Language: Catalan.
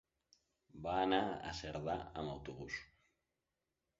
Va anar a Cerdà amb autobús.